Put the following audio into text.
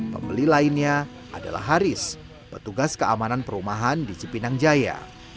pembeli lainnya adalah haris petugas keamanan perumahan di cipinang jaya